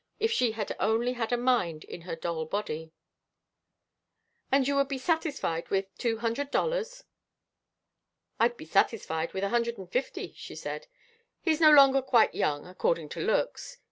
If she had only had a mind in her doll body. "And you would be satisfied with two hundred dollars?" "I'd be satisfied with a hundred and fifty," she said, "he's no longer quite young, according to looks.